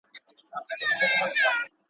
د لاس د گوتو تر منځ لا فرق سته.